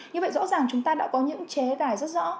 như vậy rõ ràng chúng ta đã có những chế tài rất rõ